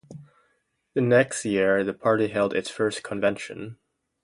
The next year the party held its first convention.